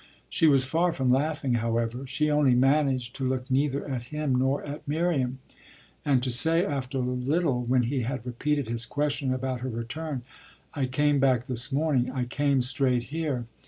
She was far from laughing, however; she only managed to look neither at him nor at Miriam and to say, after a little, when he had repeated his question about her return: "I came back this morning I came straight here."